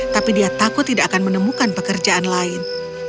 tapi dia takut tidak akan menemukan pekerjaan lain